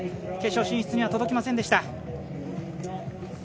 決勝進出には届きませんでした。